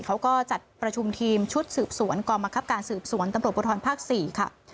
เขาก็จัดประชุมทีมชุดสืบสวนก่อนมาครับการสืบสวนตำระปุทธรภาคสี่ค่ะ